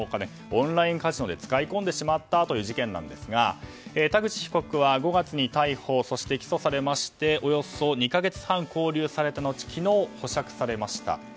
オンラインカジノで使い込んでしまったという事件なんですが田口被告は５月に逮捕そして起訴されましておよそ２か月半勾留された後昨日、保釈されました。